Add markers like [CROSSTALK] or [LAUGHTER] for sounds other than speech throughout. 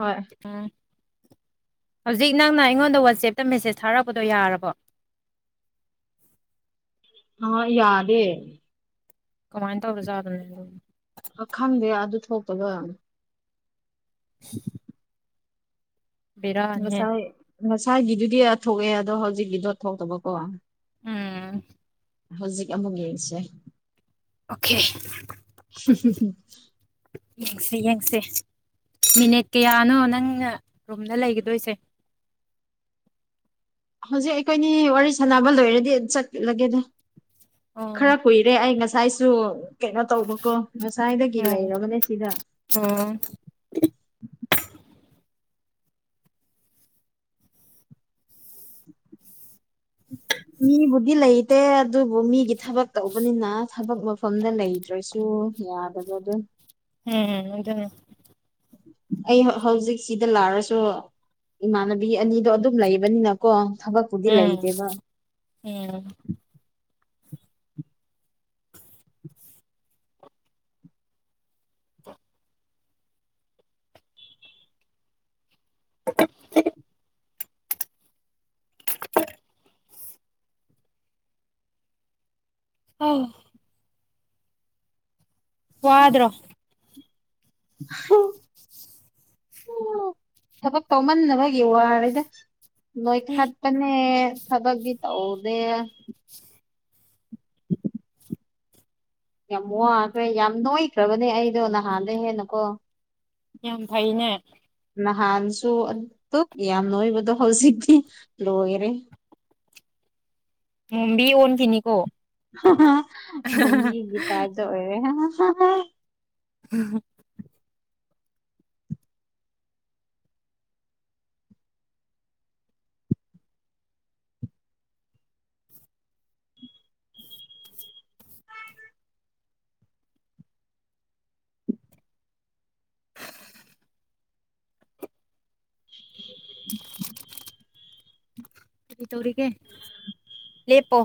ꯍꯣꯏ ꯑꯝ ꯍꯧꯖꯤꯛ ꯅꯪꯅ ꯑꯩꯉꯣꯟꯗ ꯋꯥꯆꯦꯞꯇ ꯃꯦꯁꯦꯁ ꯊꯥꯔꯛꯄꯗꯣ ꯌꯥꯔꯕꯣ [INAUDIBLE] ꯑꯥ ꯌꯥꯗꯦ ꯀꯃꯥꯏꯅ ꯇꯧꯔꯖꯥꯠꯗꯨꯅꯦ ꯑꯗꯨ ꯑ ꯈꯪꯗꯦ ꯑꯗꯨ ꯊꯣꯛꯇꯕꯅꯤ [INAUDIBLE] ꯕꯤꯔꯅꯦꯦ ꯉꯁꯥꯏ ꯉꯁꯥꯏꯒꯤꯗꯨꯗꯤ ꯊꯣꯛꯑꯦ ꯑꯗꯣ ꯍꯧꯖꯤꯛꯀꯤꯗꯣ ꯊꯣꯛꯇꯕꯀꯣ ꯎꯝ ꯍꯧꯖꯤꯛ ꯑꯃꯨꯛ ꯌꯦꯡꯁꯦ ꯑꯣꯀꯦ ꯌꯦꯡꯁꯦ ꯌꯦꯡꯁꯦ ꯃꯤꯅꯤꯠ ꯀꯌꯥꯅꯣ ꯅꯪꯅ ꯔꯨꯝꯗ ꯂꯩꯒꯗꯣꯏꯁꯦ ꯍꯧꯖꯤꯛ ꯑꯩꯈꯣꯏꯅꯤ ꯋꯥꯔꯤ ꯁꯥꯟꯅꯕ ꯂꯣꯏꯔꯗꯤ ꯆꯠꯂꯒꯦꯗ ꯑꯣ ꯈꯔ ꯀꯨꯏꯔꯦ ꯑꯩ ꯉꯁꯥꯏꯁꯨ ꯀꯩꯅꯣ ꯇꯧꯕꯀꯣ ꯉꯁꯥꯏꯗꯒꯤ ꯎꯝ ꯂꯩꯔꯕꯅꯦ ꯁꯤꯗ ꯑꯣ [INAUDIBLE] [INAUDIBLE] ꯃꯤꯕꯨꯗꯤ ꯂꯩꯇꯦ ꯑꯗꯨꯕꯨ ꯃꯤꯒꯤ ꯊꯕꯛ ꯇꯧꯕꯅꯤꯅ ꯊꯕꯛ ꯃꯐꯝꯗ ꯂꯩꯇ꯭ꯔꯁꯨ ꯌꯥꯗꯕ ꯑꯗꯨ ꯎꯝ ꯑꯗꯨꯅꯦ ꯑꯩ ꯍꯧꯖꯤꯛꯁꯤꯗ ꯂꯥꯛꯔꯁꯨ ꯏꯃꯥꯟꯅꯕꯤ ꯑꯅꯤꯗꯣ ꯑꯗꯨꯝ ꯂꯩꯕꯅꯤꯅꯀꯣ ꯊꯕꯛꯄꯨꯗꯤ ꯎꯝ ꯂꯩꯇꯦꯕ ꯎꯝ [INAUDIBLE] [INAUDIBLE] [UNINTELLIGIBLE] ꯋꯥꯗ꯭ꯔꯣ [UNINTELLIGIBLE] ꯊꯕꯛ ꯇꯧꯃꯟꯅꯗꯕꯒꯤ ꯋꯥꯔꯦꯗ ꯅꯣꯏꯈꯠꯄꯅꯦ ꯊꯕꯛꯇꯤ ꯇꯧꯗꯦ ꯌꯥꯝ ꯋꯥꯈ꯭ꯔꯦ ꯌꯥꯝ ꯅꯣꯏꯈ꯭ꯔꯕꯅꯦ ꯑꯩꯗꯣ ꯅꯍꯥꯟꯗꯩ ꯍꯦꯟꯅ ꯀꯣ ꯌꯥꯝ ꯐꯩꯅꯦ ꯅꯍꯥꯟꯁꯨ ꯑꯗꯨꯛ ꯌꯥꯝ ꯅꯣꯏꯕꯗꯣ ꯍꯧꯖꯤꯛꯇꯤ ꯂꯣꯏꯔꯦ [INAUDIBLE] ꯃꯣꯝꯕꯤ ꯑꯣꯟꯈꯤꯅꯤꯀꯣ ꯃꯣꯝꯕꯤꯒꯤ ꯇꯥꯏꯞꯗ ꯑꯣꯔꯦ [INAUDIBLE] [INAUDIBLE] ꯀꯔꯤ ꯇꯧꯔꯤꯒꯦ ꯂꯦꯞꯄꯣ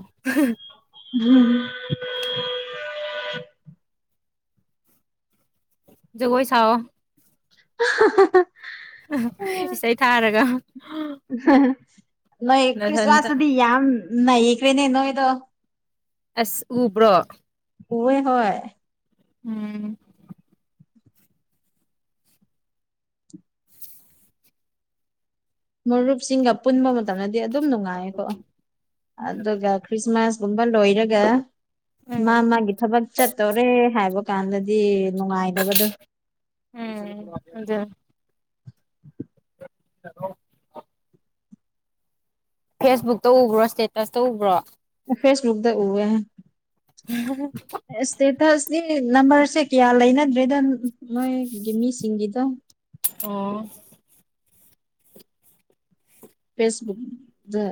[INAUDIBLE] ꯖꯒꯣꯏ ꯁꯥꯎꯋꯣ [UNINTELLIGIBLE] ꯏꯁꯩ ꯊꯥꯔꯒ ꯅꯣꯏ ꯅꯊꯟꯇ ꯈ꯭ꯔꯤꯁꯃꯥꯁꯇꯗꯤ ꯌꯥꯝ ꯅꯩꯈ꯭ꯔꯦꯅꯦ ꯅꯣꯏꯗꯣ ꯑꯁ ꯎꯕ꯭ꯔꯣ ꯎꯋꯦ ꯍꯣꯏ ꯎꯝ ꯃꯔꯨꯞꯁꯤꯡꯒ ꯄꯨꯟꯕ ꯃꯇꯝꯗꯗꯤ ꯑꯗꯨꯝ ꯅꯨꯡꯉꯥꯏꯌꯦꯀꯣ ꯑꯗꯨꯒ ꯈ꯭ꯔꯤꯁꯃꯥꯁꯒꯨꯝꯕ ꯂꯣꯏꯔꯒ ꯃꯥ ꯎꯝ ꯃꯥꯒꯤ ꯊꯕꯛ ꯆꯠꯇꯣꯔꯦ ꯍꯥꯏꯕ ꯀꯥꯟꯗꯗꯤ ꯅꯨꯡꯉꯥꯏꯇꯕꯗꯣ ꯎꯝ ꯑꯗꯨ [UNINTELLIGIBLE] ꯐꯦꯁꯕꯨꯛꯇ ꯎꯕ꯭ꯔꯣ ꯁꯇꯦꯠꯇꯁꯇ ꯎꯕ꯭ꯔꯣ ꯐꯦꯁꯕꯨꯛꯗ ꯎꯋꯦ [UNINTELLIGIBLE] ꯁꯤ ꯅꯝꯕꯔꯁꯦ ꯀꯌꯥ ꯂꯩꯅꯗ꯭ꯔꯦꯗ ꯅꯣꯏꯒꯤ ꯃꯤꯁꯤꯡꯒꯤꯗꯣ ꯑꯣ ꯐꯦꯁꯕꯨꯛꯗ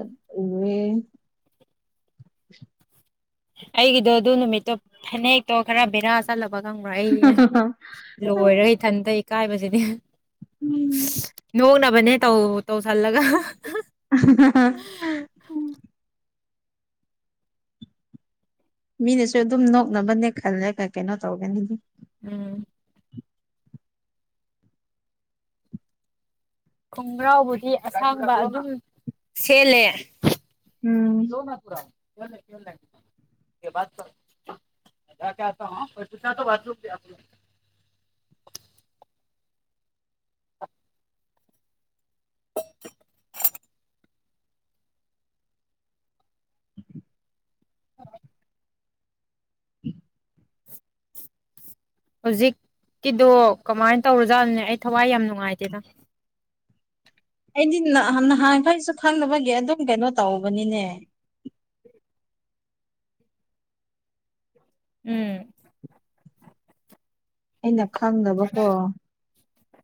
ꯎꯋꯦ ꯑꯩꯒꯤꯗꯣ ꯑꯗꯨ ꯅꯨꯃꯤꯠꯇꯣ ꯐꯅꯦꯛꯇꯣ ꯈꯔ ꯕꯦꯔꯥ ꯆꯠꯂ ꯕ ꯈꯪꯕ꯭ꯔꯥ ꯑꯩ ꯂꯣꯏꯔꯦ ꯏꯊꯟꯗ ꯢꯀꯥꯏꯕꯁꯤꯗꯤ ꯎꯝ [UNINTELLIGIBLE] ꯅꯕꯅꯦ ꯇꯧ ꯇꯧꯁꯜꯂꯒ [UNINTELLIGIBLE] ꯃꯤꯅꯁꯨ ꯑꯗꯨꯝ ꯅꯣꯛꯅꯕꯅꯦ ꯈꯜꯂꯒ ꯀꯩꯅꯣ ꯇꯧꯒꯅꯤꯗꯤ ꯎꯝ ꯈꯣꯡꯒ꯭ꯔꯥꯎꯕꯨꯗꯤ ꯑꯁꯥꯡꯕ ꯑꯗꯨꯝ ꯁꯦꯜꯂꯦ ꯎꯝ [UNINTELLIGIBLE] [UNINTELLIGIBLE] [INAUDIBLE] ꯍꯧꯖꯤꯛꯀꯤꯗꯣ ꯀꯃꯥꯏꯅ ꯇꯧꯔꯥ ꯖꯥꯠꯅꯦ ꯑꯩ ꯊꯋꯥꯏ ꯌꯥꯝ ꯅꯨꯡꯉꯥꯏꯇꯦꯗ ꯑꯩꯗꯤ ꯅꯍꯥꯟ ꯅꯍꯥꯟꯈꯩꯁꯨ ꯈꯪꯅꯕꯒꯤ ꯑꯗꯨꯝ ꯀꯩꯅꯣ ꯇꯧꯕꯅꯤꯅꯦ ꯎꯝ ꯑꯩꯅ ꯈꯪꯗꯕꯀꯣ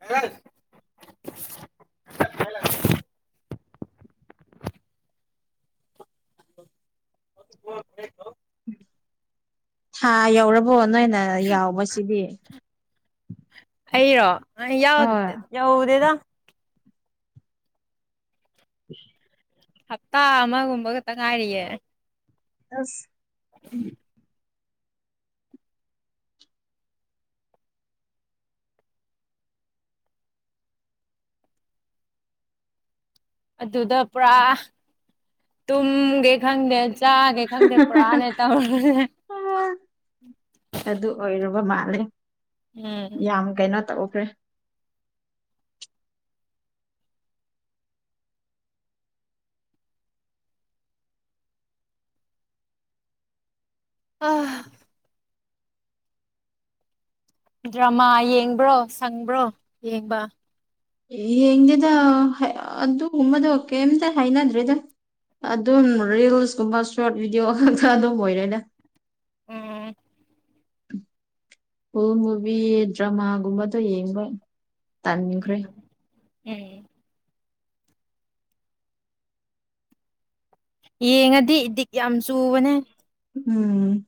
ꯍ [UNINTELLIGIBLE] ꯣꯣ [UNINTELLIGIBLE] ꯊꯥ ꯌꯧꯔꯕꯣ ꯅꯣꯏꯅ ꯌꯥꯎꯕꯁꯤꯗꯤ ꯑꯔꯣ ꯌꯥꯎ ꯍꯣꯏ ꯌꯥꯎꯎꯗꯦꯗ ꯎ [UNINTELLIGIBLE] ꯍꯞꯇꯥ ꯑꯃꯒꯨꯝꯕ ꯈꯇ ꯉꯥꯏꯔꯤꯌꯦ ꯑꯁ ꯑꯗꯨꯗ ꯄꯨꯔꯥ ꯇꯨꯝꯒꯦ ꯈꯪꯗꯦ ꯆꯥꯒꯦ ꯈꯪꯗꯦ ꯄꯨꯔꯥꯅꯦ ꯇꯧꯔꯒꯅꯦ ꯑꯗꯨ ꯑꯣꯏꯔꯨꯕ ꯃꯥꯜꯂꯦ ꯎꯝ ꯌꯥꯝ ꯀꯩꯅꯣ ꯇꯧꯈ꯭ꯔꯦ ꯑ ꯗ꯭ꯔꯃꯥ ꯌꯦꯡꯕ꯭ꯔꯣ ꯁꯪꯕ꯭ꯔꯣ ꯌꯦꯡꯕ ꯌꯦꯡꯗꯦꯗ ꯑꯗꯨ ꯑꯗꯨ ꯎꯃꯗ ꯑꯣꯀꯦꯝꯇ ꯍꯥꯏꯅꯗ꯭ꯔꯔꯤꯗ ꯑꯗꯨꯝ ꯔꯤꯜꯁꯀꯨꯝꯕ ꯁꯣꯔꯠ ꯚꯤꯗꯤꯑꯣ ꯈꯛꯇ ꯑꯗꯨꯝ ꯑꯣꯏꯔꯦꯅꯦ ꯎꯝ ꯑꯣ ꯃꯨꯚꯤ ꯗ꯭ꯔꯃꯥꯒꯨꯝꯕꯗꯣ ꯌꯦꯡꯕ ꯇꯥꯅꯤꯡꯈ꯭ꯔꯦ ꯎꯝ ꯎꯝ ꯌꯦꯡꯉꯗꯤ ꯏꯗꯤꯛ ꯌꯥꯝ ꯆꯨꯕꯅꯦ ꯎꯝ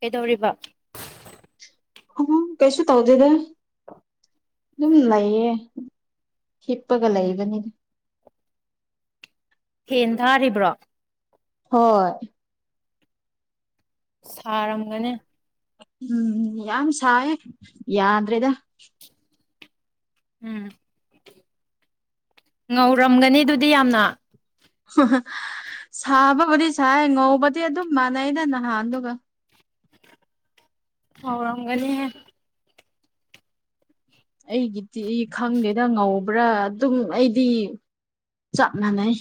ꯀꯩꯗꯧꯔꯤꯕ ꯀꯩꯁꯨ ꯇꯧꯗꯗ ꯑꯗꯨꯝ ꯂꯩꯌꯦ ꯍꯤꯠꯄꯒ ꯎꯝ ꯂꯩꯕꯅꯤꯅ ꯍꯦꯟ ꯊꯥꯔꯤꯕ꯭ꯔꯣ ꯍꯣꯏ ꯁꯥꯔꯝꯒꯅꯤ ꯎꯝ ꯌꯥꯝ ꯁꯥꯏꯦ ꯌꯥꯗ꯭ꯔꯦꯗ ꯎꯝ ꯉꯧꯔꯝꯒꯅꯤ ꯑꯗꯨꯗꯤ ꯌꯥꯝꯅ ꯍ ꯁꯥꯕꯕꯨꯗꯤ ꯁꯥꯏ ꯉꯧꯕꯗꯤ ꯑꯗꯨꯝ ꯃꯥꯟꯅꯩꯩꯅ ꯅꯍꯥꯟꯗꯨ ꯍꯧꯥꯔꯝꯒꯅꯤ ꯍꯦ ꯑꯩꯒꯤꯗꯤ ꯈꯪꯗꯦꯅ ꯉꯧꯕ꯭ꯔꯥ ꯑꯗꯨꯝ ꯑꯩꯗꯤ ꯆꯞ ꯃꯅꯩ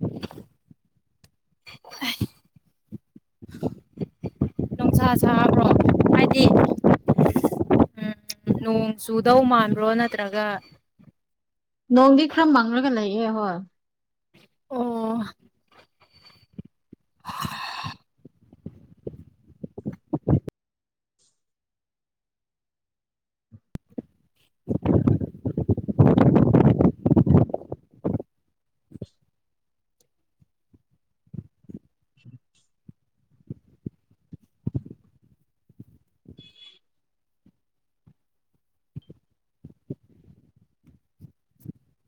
ꯍꯨꯝ [INAUDIBLE] ꯅꯣꯡꯁꯥ ꯁꯥꯥꯕ꯭ꯔꯣ ꯍꯥꯏꯗꯤ ꯎꯝ ꯅꯣꯡꯣꯡ ꯆꯨꯗꯧ ꯃꯥꯥꯟ ꯅꯣꯡꯗꯤ ꯈꯔ ꯃꯪꯉꯒ ꯂꯩꯌꯦꯦ ꯍꯣꯏ ꯑꯣ [INAUDIBLE]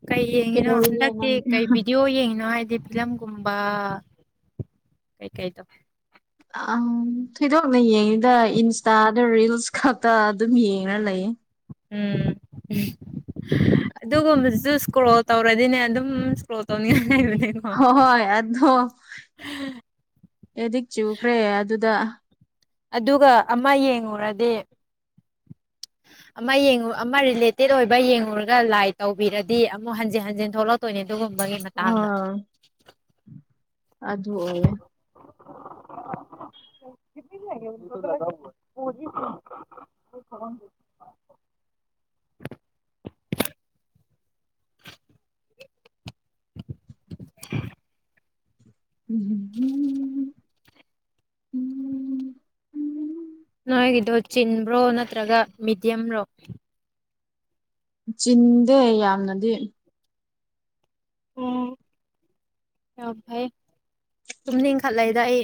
ꯀꯩ ꯌꯦꯡꯉꯤꯅꯣ ꯀꯩꯗꯧꯔꯤꯒꯦ ꯍꯟꯗꯛꯇꯤ ꯅꯪ ꯀꯩ ꯚꯤꯗꯤꯑꯣ ꯌꯦꯡꯉꯤꯅꯣ ꯍꯥꯏꯗꯤ ꯑꯦꯛꯖꯝꯒꯨꯝꯕ ꯀꯩ ꯀꯥꯏꯗꯣ ꯑ ꯊꯣꯏꯗꯣꯛꯅ ꯌꯦꯡꯉꯤꯗ ꯏꯟꯁꯇꯥꯗ ꯔꯤꯜꯁ ꯈꯛꯇ ꯑꯗꯨꯝ ꯌꯦꯡꯉ ꯂꯩꯌꯦ ꯎꯝ ꯑꯗꯨꯒꯨꯝꯕꯗꯨꯁꯨ ꯏꯁꯀ꯭ꯔꯣꯜ ꯇꯧꯔꯗꯤꯅꯦ ꯑꯗꯨꯝ ꯏꯁꯀ꯭ꯔꯣꯜ ꯇꯧꯅꯤ ꯍꯣꯏ ꯍꯣꯏ ꯑꯣ ꯑꯦꯗꯤꯛ ꯆꯨꯈ꯭ꯔꯦ ꯑꯗꯨꯗ ꯑꯗꯨꯒ ꯑꯃ ꯌꯦꯡꯉꯨꯔꯗꯤ ꯑꯃ ꯌꯦꯡꯉꯨ ꯑꯃ ꯔꯤꯂꯦꯇꯦꯠ ꯑꯣꯏꯕ ꯌꯦꯡꯉꯨꯔꯒ ꯂꯥꯏ ꯇꯧꯕꯤꯔꯗꯤ ꯑꯃꯨꯛ ꯍꯟꯖꯤꯟ ꯍꯟꯖꯤꯟ ꯊꯣꯛꯂꯛꯇꯣꯏꯅꯤꯅꯦ ꯑꯗꯨꯒꯨꯝꯕꯒꯤ ꯃꯇꯥꯡꯗ ꯑꯥ ꯑꯗꯨ ꯑꯣꯏꯌꯦꯦ [UNINTELLIGIBLE] ꯉꯥꯁꯤ ꯁꯒꯣꯜꯁꯦꯟ ꯅꯤ ꯎ ꯅꯣꯏꯒꯤꯗꯣ ꯆꯤꯟꯕ꯭ꯔꯣ ꯅꯠꯇ꯭ꯔꯒ ꯃꯤꯗꯤꯌꯝꯕ꯭ꯔꯣ ꯆꯤꯟꯗꯦ ꯌꯥꯝꯅꯗꯤ ꯎꯝ ꯑꯚꯥꯏ ꯇꯨꯝꯅꯤꯡ ꯏꯪꯈꯠꯂꯛꯏꯗ ꯑꯩ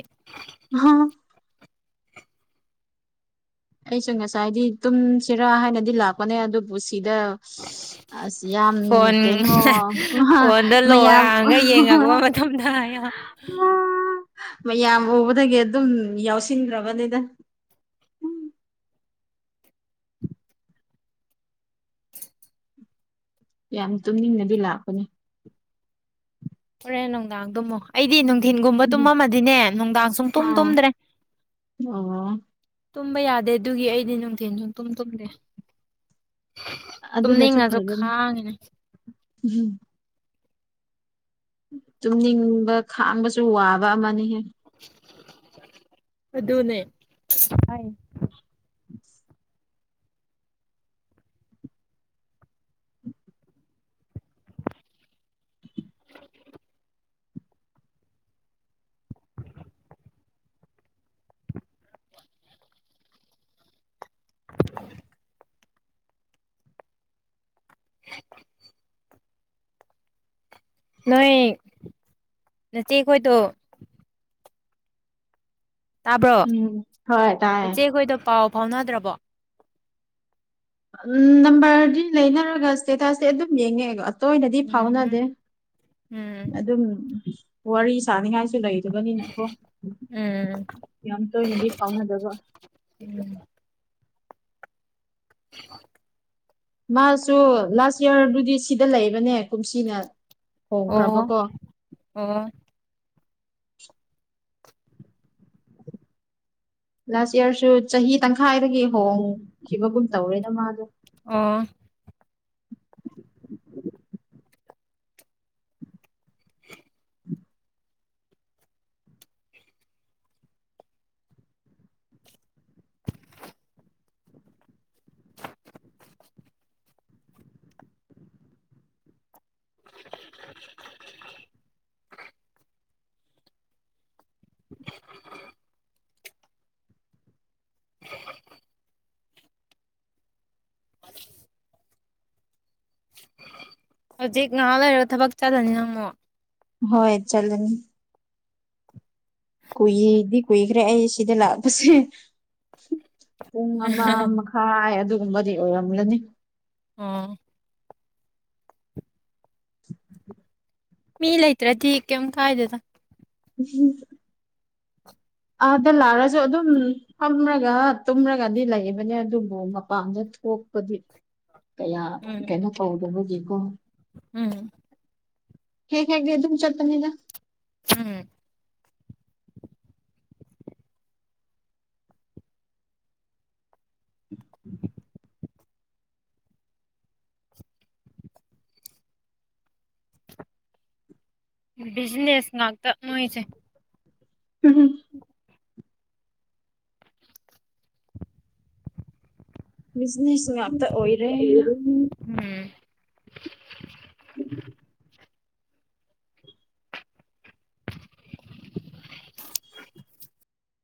ꯑꯩꯁꯨ ꯉꯁꯥꯏꯗꯤ ꯇꯨꯝ ꯁꯤꯔꯥ ꯍꯥꯏꯅꯗꯤ ꯂꯥꯛꯄꯅꯦ ꯑꯗꯨꯕꯨ ꯁꯤꯗ ꯑꯁ ꯌꯥꯝ ꯐꯣꯟ ꯀꯩꯅꯣ ꯐꯣꯟꯗ ꯂꯣꯛ ꯃꯌꯥꯝ ꯎ ꯍꯥꯡꯉꯒ ꯌꯦꯡꯉꯛꯄ ꯃꯇꯝꯗ ꯃ ꯌꯥꯝ ꯎꯕꯒ ꯑꯗꯨꯝ ꯌꯥꯎꯁꯤꯟꯈ꯭ꯔꯕꯅꯤꯗ ꯌꯥꯝ ꯇꯨꯅꯤꯡꯅꯗꯤ ꯂꯥꯛꯄꯅꯦ ꯍꯣꯔꯦꯟ ꯅꯨꯡꯗꯥꯡꯗꯨꯝꯃꯣ ꯑꯩꯗꯤ ꯅꯨꯡ ꯊꯤꯟꯒꯨꯝꯕ ꯇꯨꯝꯃꯝꯃꯗꯤꯅꯦ ꯅꯨꯡꯗꯥꯡ ꯁꯨꯝ ꯇꯨꯝ ꯑꯥ ꯇꯨꯝꯗ꯭ꯔꯦ ꯑꯣ ꯇꯨꯝꯕ ꯌꯥꯗꯦ ꯑꯗꯨꯒꯤ ꯑꯩꯗꯤ ꯅꯨꯡꯊꯤꯟ ꯁꯨꯡ ꯇꯨꯝ ꯇꯨꯝꯗꯦ ꯑꯗꯨꯅꯁꯨ ꯇꯨꯝꯅꯤꯡꯉꯁꯨ ꯐꯕꯅꯤ ꯈꯥꯡꯉꯤꯅꯦ ꯎꯝ ꯇꯨꯝꯅꯤꯡꯕ ꯈꯥꯡꯕꯁꯨ ꯋꯥꯕ ꯑꯃꯅꯤꯍꯦ ꯑꯗꯨꯗꯅꯦ ꯎ [INAUDIBLE] [INAUDIBLE] ꯅꯣꯏꯣꯏ ꯅꯠꯇꯦ ꯑꯩꯣꯏꯗ ꯇꯥꯕ꯭ꯔꯣ ꯎꯝ ꯍꯣꯏ ꯇꯥꯏꯌꯦ ꯏꯆꯦꯈꯣꯏꯗꯣ ꯄꯥꯎ ꯐꯥꯎꯅꯗ꯭ꯔꯕꯣ ꯎꯝ ꯅꯝꯕꯔꯗꯤ ꯂꯩꯅꯔꯒ ꯏꯁꯇꯦꯇꯁꯇꯤ ꯑꯗꯨꯝ ꯌꯦꯡꯉꯦ ꯇꯣꯏꯅꯗꯤ ꯎꯝ ꯐꯥꯎꯅꯗꯦ ꯎꯝ ꯑꯗꯨꯝ ꯋꯥꯔꯤ ꯁꯅꯤꯡꯉꯥꯏꯁꯨ ꯂꯩ ꯐꯖꯕꯅꯤꯅꯀꯣ ꯎꯝ ꯌꯥꯝ ꯇꯣꯏꯅꯗꯤ ꯐꯥꯎꯅꯗꯕ ꯎꯝ ꯃ ꯃꯥꯁꯨ ꯂꯥꯁ ꯌꯌꯥꯔꯗꯨꯗꯤ ꯁꯤꯗ ꯂꯩꯕꯅꯦ ꯀꯨꯝꯁꯤꯅ ꯑꯣ ꯍꯣꯡꯈ꯭ꯔꯕꯀꯣ ꯑꯣ ꯂꯥꯁ ꯌꯌꯥꯔꯁꯨ ꯆꯍꯤ ꯇꯪꯈꯥꯏꯗꯒꯤ ꯍꯣꯡꯈꯤꯕꯒꯨꯝ ꯇꯧꯔꯦꯅ ꯃꯥꯗꯣ ꯑꯣ [INAUDIBLE] [INAUDIBLE] ꯍꯧꯖꯤꯛ ꯉꯍꯥꯛ ꯂꯩꯔꯒ ꯊꯕꯛ ꯆꯥꯗꯅꯤ ꯅꯪꯉꯣ ꯍꯣꯏ ꯆꯂ ꯀꯨꯏꯗꯤ ꯀꯨꯏꯈ꯭ꯔꯦ ꯑꯩ ꯁꯤꯗ ꯂꯥꯛꯄꯁꯦ ꯄꯨꯡ ꯑꯃ ꯃꯈꯥꯏ ꯑꯗꯨꯒꯨꯝꯕꯗꯤ ꯑꯣꯏꯔꯝꯂꯅꯤ ꯑ [INAUDIBLE] ꯃꯤ ꯂꯩꯇ꯭ꯔꯗꯤ ꯀꯩꯝ ꯀꯥꯏꯗꯗ [INAUDIBLE] ꯑꯥꯗ ꯂꯥꯛꯔꯁꯨ ꯑꯗꯨꯝ ꯐꯝꯂꯒ ꯇꯨꯝꯔꯒꯗꯤ ꯂꯩꯕꯅꯦ ꯑꯗꯨꯕꯨ ꯃꯄꯥꯝꯗ ꯍ ꯀꯗꯤ ꯑ ꯀꯌꯥ ꯀꯅ ꯀꯧꯗꯕꯒꯦꯀꯣ ꯎꯝ ꯍꯦ ꯍꯦꯒꯦ ꯊꯨꯝ ꯆꯠꯄꯅꯤꯗ ꯎꯝ [INAUDIBLE] ꯕꯤꯖꯤꯅꯦꯁ ꯉꯥꯛꯇ ꯅꯣꯏꯁꯦ ꯎꯝ ꯕꯤꯖꯤꯅꯦꯁ ꯉꯇ ꯑꯣꯏꯔꯦ ꯎꯝ